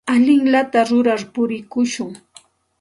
Allinllata rurar purikushun.